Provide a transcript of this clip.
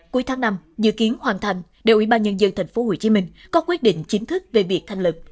cuối tháng năm dự kiến hoàn thành đội ủy ban nhân dân tp hcm có quyết định chính thức về việc thành lập